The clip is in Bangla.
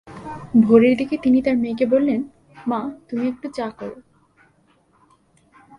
ভোরের দিকে তিনি তার মেয়েকে বললেন: মা তুমি একটু চা কর।